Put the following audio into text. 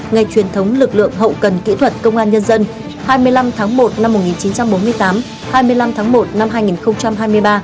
ngày truyền thống lực lượng hậu cần kỹ thuật công an nhân dân hai mươi năm tháng một năm một nghìn chín trăm bốn mươi tám hai mươi năm tháng một năm hai nghìn hai mươi ba